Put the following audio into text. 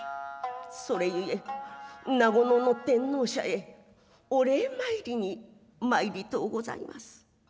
それ故那古野の天王社へお礼参りに参りとう御座います」。